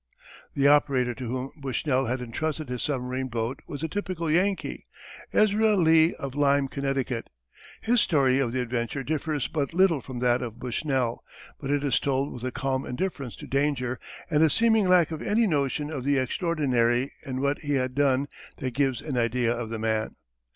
The operator to whom Bushnell had entrusted his submarine boat was a typical Yankee, Ezra Lee of Lyme, Connecticut. His story of the adventure differs but little from that of Bushnell, but it is told with a calm indifference to danger and a seeming lack of any notion of the extraordinary in what he had done that gives an idea of the man.